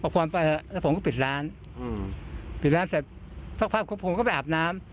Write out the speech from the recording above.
พอนไปแล้วผมก็ปิดร้านอืมปิดร้านเสร็จภาพผมก็ไปอาบน้ำ